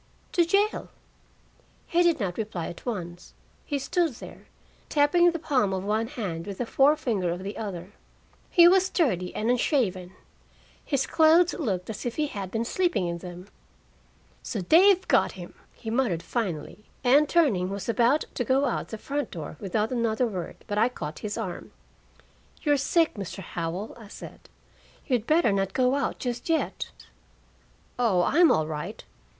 "To jail." He did not reply at once. He stood there, tapping the palm of one hand with the forefinger of the other. He was dirty and unshaven. His clothes looked as if he had been sleeping in them. "So they've got him!" he muttered finally, and turning, was about to go out the front door without another word, but I caught his arm. "You're sick, Mr. Howell," I said. "You'd better not go out just yet." "Oh, I'm all right."